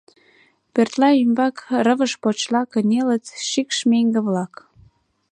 Пӧртла ӱмбак рывыж почла кынелыт шикш меҥге-влак.